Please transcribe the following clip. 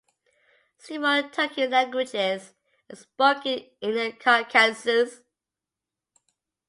Several Turkic languages are spoken in the Caucasus.